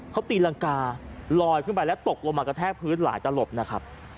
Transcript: เขาตีรังกาลอยขึ้นไปแล้วตกลงมากระแทกพื้นหลายตลบนะครับ